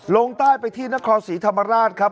ลงใต้ไปที่นครศรีธรรมราชครับ